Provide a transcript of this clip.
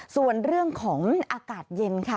ส่วนเรื่องของอากาศเย็นค่ะ